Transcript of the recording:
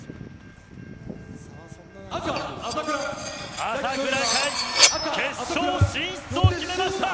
朝倉海、決勝進出を決めました！